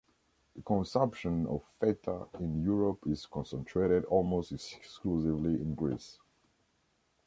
The consumption of feta in Europe is concentrated almost exclusively in Greece.